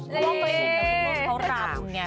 แบบนั้นที่เราเห็นกันเป็นวงเขารับเนี่ย